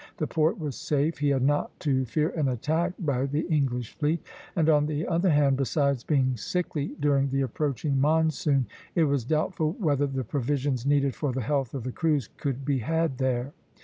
The port was safe, he had not to fear an attack by the English fleet; and on the other hand, besides being sickly during the approaching monsoon, it was doubtful whether the provisions needed for the health of the crews could be had there.